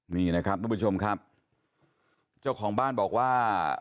นี่นะครับทุกผู้ชมครับเจ้าของบ้านบอกว่า